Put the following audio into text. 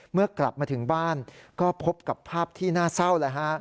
เมื่อกลับมาถึงบ้านก็พบกับภาพที่น่าเศร้าเลยฮะ